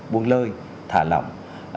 buông lơi thả lỏng